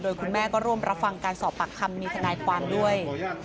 คุณแม่ก็ร่วมรับฟังการสอบปากคำมีทนายความด้วย